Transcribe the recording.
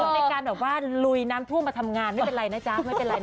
ในการแบบว่าลุยน้ำท่วงมาทำงานไม่เป็นไรนะจ๊ะ